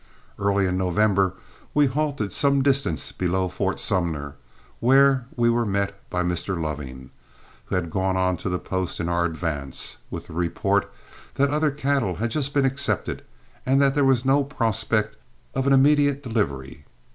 Early in November we halted some distance below Fort Sumner, where we were met by Mr. Loving, who had gone on to the post in our advance, with the report that other cattle had just been accepted, and that there was no prospect of an immediate delivery.